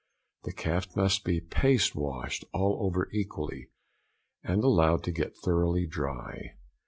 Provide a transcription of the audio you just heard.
The calf must be paste washed all over equally, and allowed to get thoroughly dry.